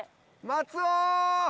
松尾！